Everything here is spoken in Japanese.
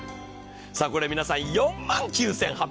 これ皆さん、４万９８００円。